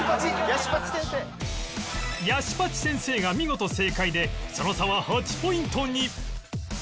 やし八先生が見事正解でその差は８ポイントに